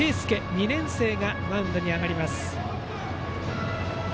２年生がマウンドに上がります。